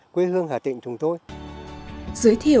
quê hương hà tịnh chúng tôi